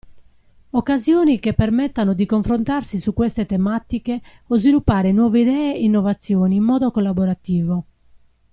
Occasioni che permettano di confrontarsi su queste tematiche o sviluppare nuove idee e innovazioni in modo collaborativo.